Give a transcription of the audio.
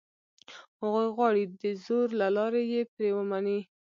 هغوی غواړي دزور له لاري یې پرې ومني.